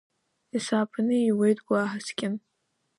Есааԥны ииуеит уи аҳаскьын.